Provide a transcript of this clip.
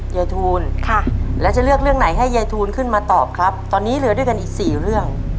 ยายทูลค่ะแล้วจะเลือกเรื่องไหนให้ยายทูลขึ้นมาตอบครับตอนนี้เหลือด้วยกันอีกสี่เรื่อง